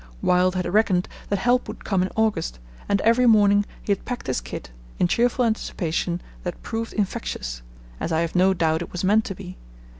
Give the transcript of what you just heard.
Wild had reckoned that help would come in August, and every morning he had packed his kit, in cheerful anticipation that proved infectious, as I have no doubt it was meant to be.